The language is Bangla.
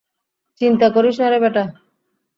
চিন্তা করিস নারে, ব্যাটা!